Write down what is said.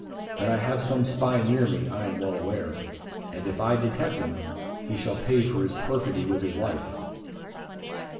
"That I have some spy near me, I am well aware; and if I detect him, he shall pay for his perfidy with his life."